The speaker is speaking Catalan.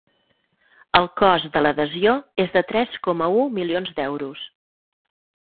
El cost de l’adhesió és de tres coma u milions d’euros.